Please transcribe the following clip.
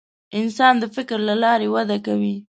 انسان د فکر له لارې وده کوي.